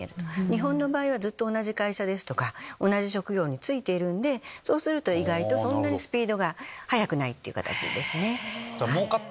日本の場合はずっと同じ会社とか同じ職業に就いてるのでそうすると意外とそんなにスピードが速くないって形です。